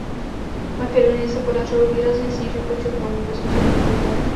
Makedonii se podařilo výrazně snížit počet Romů bez osobních dokladů.